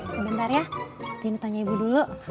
sebentar ya ini tanya ibu dulu